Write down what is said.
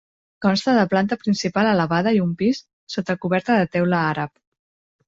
Consta de planta principal elevada i un pis, sota coberta de teula àrab.